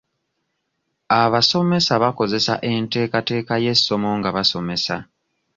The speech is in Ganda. Abasomesa bakozesa enteekateeka y'essomo nga basomesa.